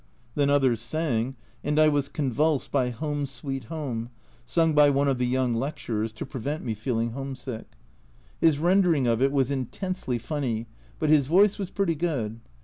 Then others sang, and I was convulsed by " Home, Sweet Home," sung by one of the young lecturers, "to prevent me feeling home sick." His rendering of it was intensely funny, but his voice was pretty good.